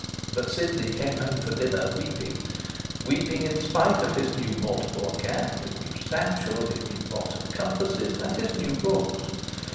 But Sidney came home for dinner weeping weeping in spite of his new mortar board cap, his new satchel, his new box of compasses, and his new books.